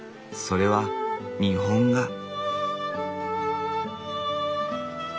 それは日本画。